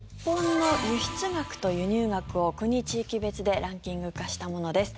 日本の輸出額と輸入額を国・地域別でランキング化したものです。